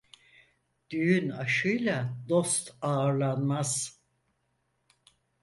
Düğün aşıyla dost ağırlanmaz.